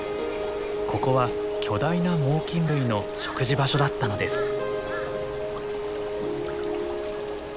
ここは巨大な猛きん類の食事場所だったのです。